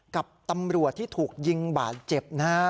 กับตำรวจที่ถูกยิงบาดเจ็บนะฮะ